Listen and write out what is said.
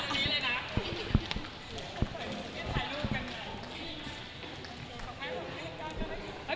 ถ้ามีก็เปิดให้ตรงนี้เลยละ